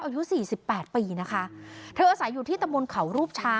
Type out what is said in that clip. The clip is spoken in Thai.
อายุสี่สิบแปดปีนะคะเธออาศัยอยู่ที่ตะมนต์เขารูปชา